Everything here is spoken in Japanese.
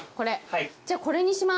じゃあこれにします。